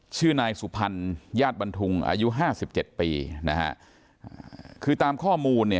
ชื่อนายสุพรรณญาติบันทุงอายุห้าสิบเจ็ดปีนะฮะคือตามข้อมูลเนี่ย